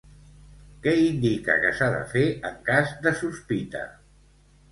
Què indica que s'ha de fer en cas de sospita?